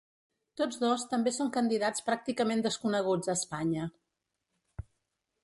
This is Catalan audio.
Tots dos també són candidats pràcticament desconeguts a Espanya.